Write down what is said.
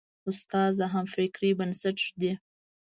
استاد د همفکرۍ بنسټ ږدي.